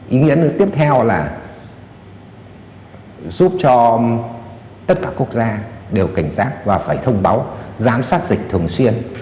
ý nghĩa tiếp theo là giúp cho tất cả quốc gia đều cảnh giác và phải thông báo giám sát dịch thường xuyên